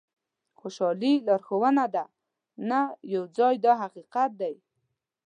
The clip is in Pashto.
خوشالي لارښوونه ده نه یو ځای دا حقیقت دی.